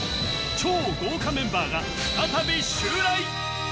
超豪華メンバーが再び襲来